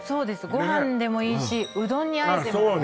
ご飯でもいいしうどんに和えてもおいしいです